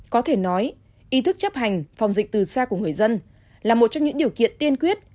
có thể nói ý thức chấp hành phòng dịch từ xa của người dân là một trong những điều kiện tiên quyết